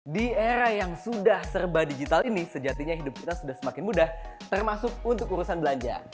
di era yang sudah serba digital ini sejatinya hidup kita sudah semakin mudah termasuk untuk urusan belanja